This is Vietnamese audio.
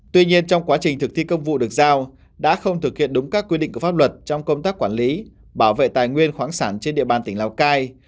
tuy nhiên trong quá trình thực thi công vụ được giao đã không thực hiện đúng các quy định của pháp luật trong công tác quản lý bảo vệ tài nguyên khoáng sản trên địa bàn tỉnh lào cai